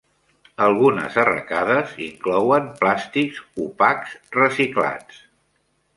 Algunes arracades inclouen plàstics opacs reciclats.